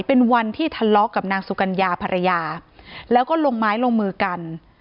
เป็นวันที่ทะเลาะกับนางสุกัญญาภรรยาแล้วก็ลงไม้ลงมือกัน